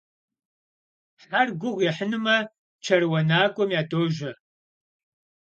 Хьэр гугъу ехьынумэ чэруанакӀуэм ядожьэ.